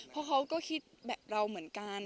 เพราะเขาก็คิดแบบเราเหมือนกัน